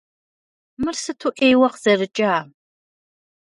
Мыр сыту ӏейуэ къызэрыкӏа!